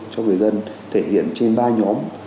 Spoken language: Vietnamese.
cho người dân thể hiện trên ba nhóm